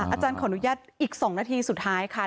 อาจารย์ขออนุญาตอีก๒นาทีสุดท้ายค่ะ